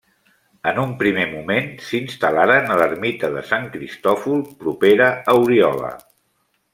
En un primer moment s'instal·laren a l'ermita de Sant Cristòfol, propera a Oriola.